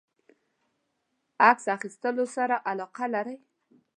عکس اخیستلو سره علاقه لری؟